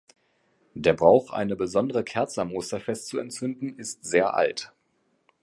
Der Brauch, eine besondere Kerze am Osterfest zu entzünden, ist sehr alt.